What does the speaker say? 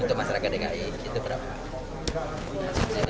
untuk masyarakat dki itu berapa